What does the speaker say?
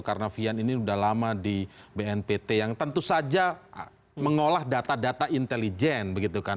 karena vian ini sudah lama di bnpt yang tentu saja mengolah data data intelijen